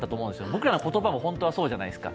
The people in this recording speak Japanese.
僕らの言葉も本当はそうじゃないですか。